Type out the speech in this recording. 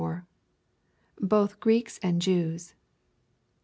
Both Greeks and Jews.